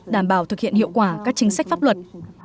đảm bảo thực hiện hiệu quả các chính sách pháp luật